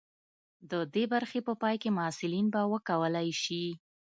د دې برخې په پای کې محصلین به وکولی شي.